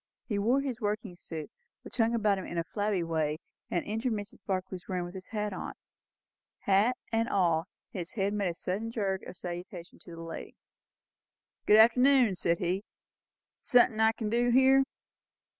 He wore his working suit, which hung about him in a flabby way, and entered Mrs. Barclay's room with his hat on. Hat and all, his head made a little jerk of salutation to the lady. "Good arternoon!" said he. "Sun'thin' I kin do here?"